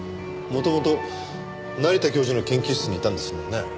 もともと成田教授の研究室にいたんですもんね。